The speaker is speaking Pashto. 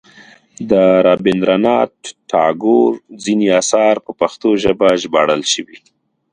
د رابندر ناته ټاګور ځینې اثار په پښتو ژباړل شوي.